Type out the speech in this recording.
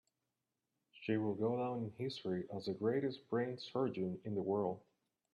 She will go down in history as the greatest brain surgeon in the world.